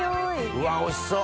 うわおいしそう！